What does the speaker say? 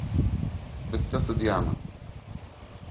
Принцесса Диана